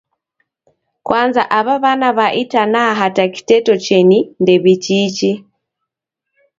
Kwanza aw'a wana wa itanaha hata kiteto cheni ndew'ichiichi.